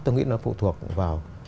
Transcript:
tôi nghĩ nó phụ thuộc vào